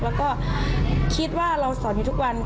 แล้วก็คิดว่าเราสอนอยู่ทุกวัน